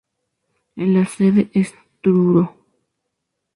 La sede es Truro.